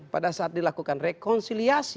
pada saat dilakukan rekonsiliasi